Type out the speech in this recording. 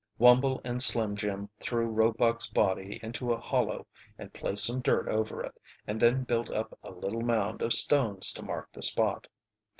Wumble and Slim Jim threw Roebuck's body into a hollow and placed some dirt over it, and then built up a little mound of stones to mark the spot.